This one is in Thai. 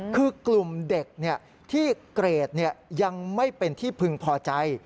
คือกลุ่มเด็กที่เกรดยังไม่เป็นที่พึงพอใจ